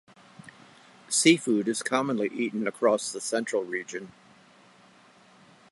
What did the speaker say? Seafood is commonly eaten across the Central Region.